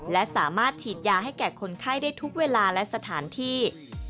และสามารถฉีดยาให้แก่คนไข้ได้ทุกเวลาและสถานที่